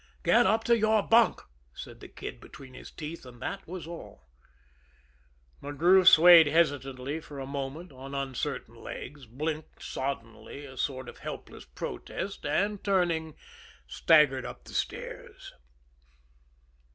"Get up to your bunk!" said the Kid between his teeth and that was all. McGrew swayed hesitantly for a moment on uncertain legs, blinked soddenly a sort of helpless protest, and, turning, staggered up the stairs.